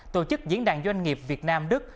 tổ chức diễn đàn doanh nghiệp việt nam đức